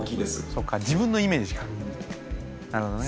そっか自分のイメージかなるほどね。